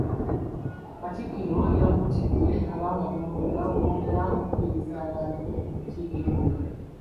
Katikkiro yakuutidde ab'amagombolola okwongera okukubiriza abantu okukiika embuga.